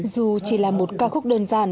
dù chỉ là một ca khúc đơn giản